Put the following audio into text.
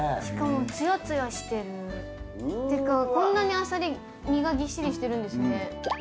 しかもつやつやしてる。ってかこんなにアサリ身がぎっしりしてるんですね。